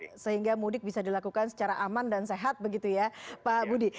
oke sehingga mudik bisa dilakukan secara aman dan sehat begitu ya pak budi